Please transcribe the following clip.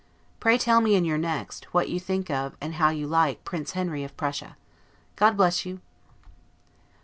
Pray tell me in your next, what you think of, and how you like, Prince Henry of Prussia. God bless you!